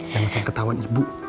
jangan sangka ketahuan ibu